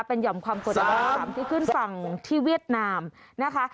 เป็นห่อมความกดอากาศต่ำที่ขึ้นฝั่งที่เวียดนามนะคะ